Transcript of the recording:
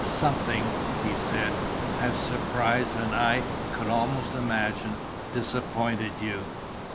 "Something," he said, "has surprised, and I could almost imagine, disappointed you."